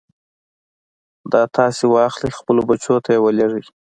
دا تاسې واخلئ خپلو بچو ته يې ولېږئ.